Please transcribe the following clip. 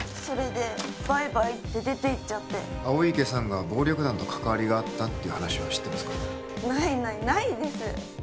それでバイバイって出ていっちゃって青池さんが暴力団と関わりがあったっていう話は知ってますかないないないです